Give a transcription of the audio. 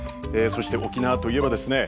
そして沖縄といえばですね